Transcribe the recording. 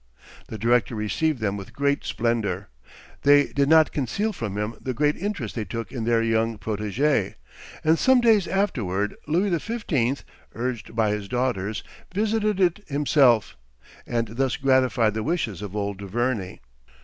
The director received them with great splendor; they did not conceal from him the great interest they took in their young protégé, and some days afterward Louis XV., urged by his daughters, visited it himself, and thus gratified the wishes of old Duverney.